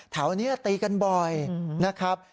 แถวนี้ตีกันบ่อยนะครับ